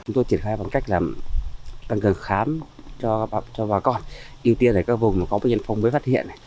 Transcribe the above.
chúng tôi triển khai bằng cách làm tăng cường khám cho bà con ưu tiên là các vùng có bệnh nhân phong mới phát hiện